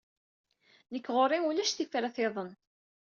Nekk ɣur-i ulac tifrat-iḍen.